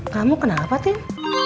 kamu kenapa tim